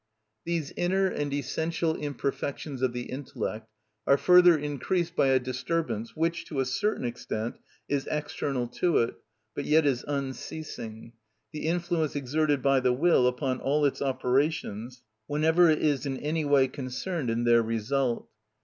These inner and essential imperfections of the intellect are further increased by a disturbance which, to a certain extent, is external to it, but yet is unceasing—the influence exerted by the will upon all its operations whenever it is in any way concerned in their result.